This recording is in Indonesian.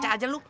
acak aja lu